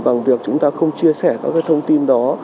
bằng việc chúng ta không chia sẻ các cái thông tin đó